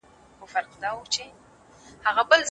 ولي کوښښ کوونکی د پوه سړي په پرتله موخي ترلاسه کوي؟